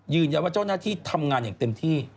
ว่าเจ้าหน้าที่ทำงานอย่างเต็มที่